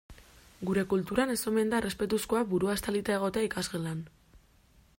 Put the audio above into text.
Gure kulturan ez omen da errespetuzkoa burua estalita egotea ikasgelan.